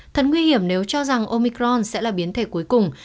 thật nguy hiểm nếu cho rằng omicron sẽ là biến thể cuối cùng